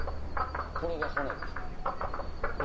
これが骨ですね。